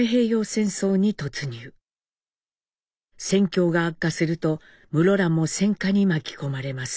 戦況が悪化すると室蘭も戦禍に巻き込まれます。